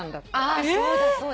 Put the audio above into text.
あーそうだそうだ。